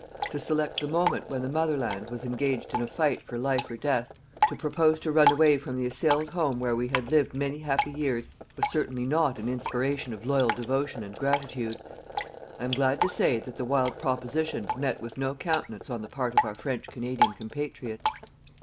To select the moment when the Motherland was engaged in a fight for life or death, to propose to run away from the assailed home where we had lived many happy years, was certainly not an inspiration of loyal devotion and gratitude. I am glad to say that the wild proposition met with no countenance on the part of our French Canadian compatriots.